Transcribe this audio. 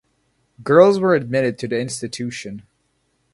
Girls were admitted to the institution.